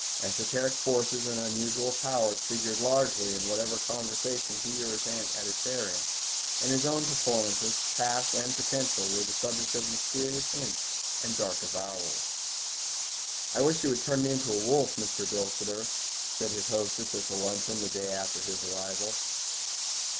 Esoteric forces and unusual powers figured largely in whatever conversation he or his aunt had a share in, and his own performances, past and potential, were the subject of mysterious hints and dark avowals. "I wish you would turn me into a wolf, Mr. Bilsiter," said his hostess at luncheon the day after his arrival.